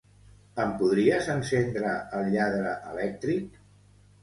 Em podries encendre el lladre elèctric?